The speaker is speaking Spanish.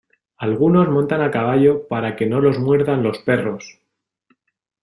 Algunos montan a caballo para que no los muerdan los perros.